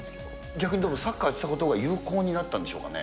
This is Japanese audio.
逆にサッカーやってたことが有効になったんでしょうかね？